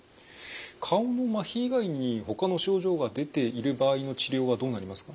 顔のまひ以外にほかの症状が出ている場合の治療はどうなりますか？